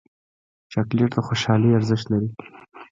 چاکلېټ د خوشحالۍ ارزښت لري